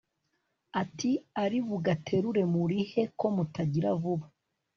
ati ari bugaterure muri he ko mutagira vuba